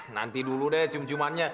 nanti dulu deh cium ciumannya